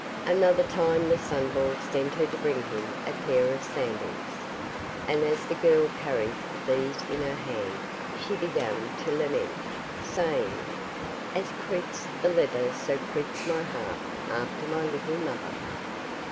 Another time the Sunball sent her to bring him a pair of sandals, and as the girl carried these in her hand she began to lament, saying: 'As creaks the leather so creaks my heart after my little mother.